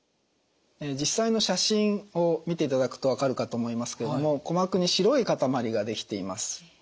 実際の写真を見ていただくと分かるかと思いますけれども鼓膜に白い塊が出来ています。